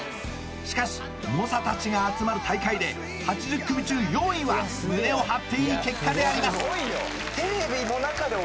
しかし猛者たちが集まる大会で８０組中４位は胸を張っていい結果であります